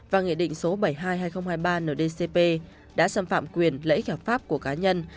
và nghị định số bảy mươi hai hai nghìn hai mươi ba ndcp đã xâm phạm quyền lễ kẻo pháp của cá nhân